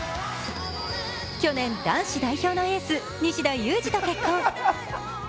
去年、男児代表のエース西田有志と結婚。